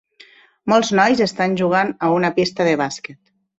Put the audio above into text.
Molts nois estan jugant a una pista de bàsquet